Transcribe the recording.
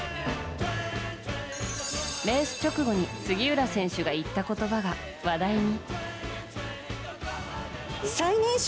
レース直後に杉浦選手が言った言葉が話題に。